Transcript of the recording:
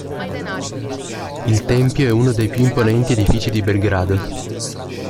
Il tempio è uno dei più imponenti edifici di Belgrado.